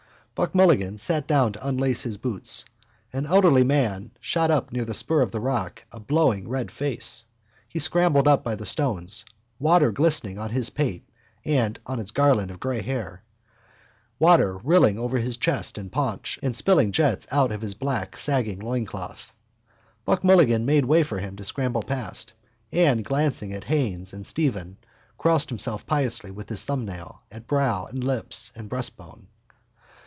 Buck Mulligan sat down to unlace his boots. An elderly man shot up near the spur of rock a blowing red face. He scrambled up by the stones, water glistening on his pate and on its garland of grey hair, water rilling over his chest and paunch and spilling jets out of his black sagging loincloth. Buck Mulligan made way for him to scramble past and, glancing at Haines and Stephen, crossed himself piously with his thumbnail at brow and lips and breastbone.